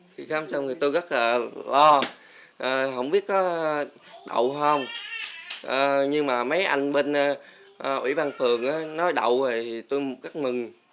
khi khám xong thì tôi rất là o không biết có đậu hon nhưng mà mấy anh bên ủy ban phường nói đậu thì tôi rất mừng